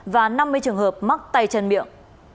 và năm mươi trường hợp mắc tay chân miệng